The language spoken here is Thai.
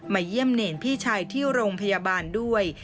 เยี่ยมเนรพี่ชายที่โรงพยาบาลด้วย